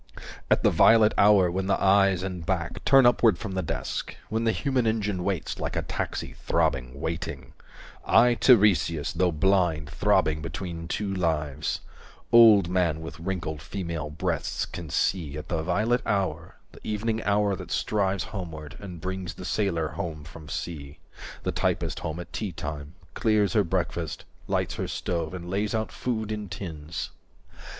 At the violet hour, when the eyes and back 215 Turn upward from the desk, when the human engine waits Like a taxi throbbing waiting, I Tiresias, though blind, throbbing between two lives, Old man with wrinkled female breasts, can see At the violet hour, the evening hour that strives 220 Homeward, and brings the sailor home from sea, The typist home at tea time, clears her breakfast, lights Her stove, and lays out food in tins.